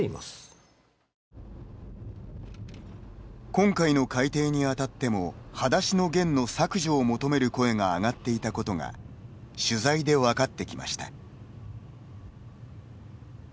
今回の改訂にあたっても「はだしのゲン」の削除を求める声があがっていたことが取材で分かってきました。